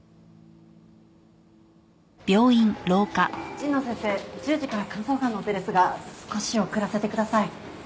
神野先生１０時から肝臓がんのオペですが少し遅らせてください。